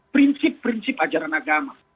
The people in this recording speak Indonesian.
prinsip prinsip ajaran agama